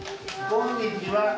こんにちは。